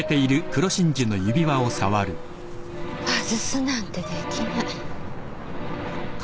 外すなんてできない。